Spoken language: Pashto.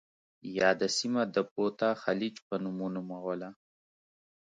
یاده سیمه د بوتا خلیج په نوم ونوموله.